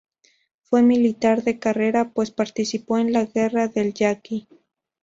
Fue militar de carrera, pues participó en la Guerra del Yaqui.